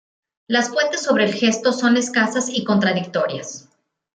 Las fuentes sobre el gesto son escasas y contradictorias.